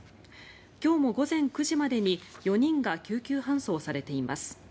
今日も午前９時までに４人が救急搬送されています。